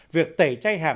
việc tẩy chay hàng